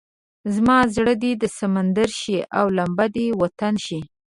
زما زړه دې سمندر شي او لمبه دې وطن شي.